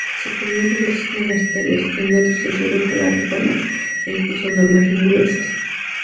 Suprimió diversos monasterios, en otros introdujo la reforma e impuso normas rigurosas.